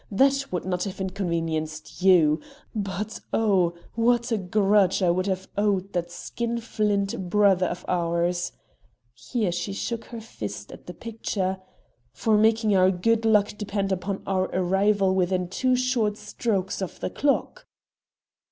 That would not have inconvenienced you. But oh! what a grudge I would have owed that skinflint brother of ours" here she shook her fist at the picture "for making our good luck depend upon our arrival within two short strokes of the clock!"